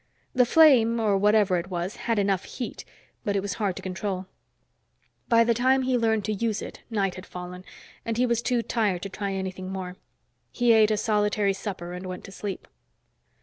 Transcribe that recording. The flame or whatever it was had enough heat, but it was hard to control. By the time he learned to use it, night had fallen, and he was too tired to try anything more. He ate a solitary supper and went to sleep.